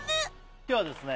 今日はですね